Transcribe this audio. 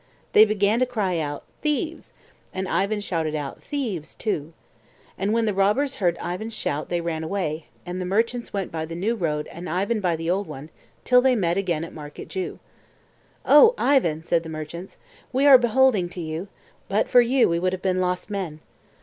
They began to cry out, "Thieves!" and Ivan shouted out "Thieves!" too. And when the robbers heard Ivan's shout they ran away, and the merchants went by the new road and Ivan by the old one till they met again at Market Jew. "Oh, Ivan," said the merchants, "we are beholding to you; but for you we would have been lost men.